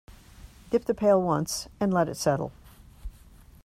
Dip the pail once and let it settle.